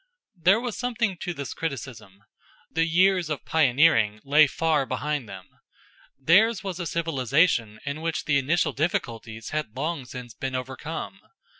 There was something to this criticism. The years of pioneering lay far behind them. Theirs was a civilization in which the initial difficulties had long since been overcome.